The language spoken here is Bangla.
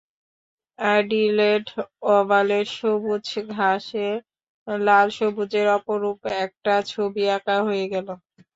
অ্যাডিলেড ওভালের সবুজ ঘাসে লাল-সবুজের অপরূপ একটা ছবি আঁকা হয়ে গেল।